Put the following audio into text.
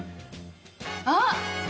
あっ！